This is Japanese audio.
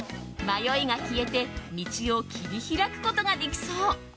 迷いが消えて道を切り開くことができそう。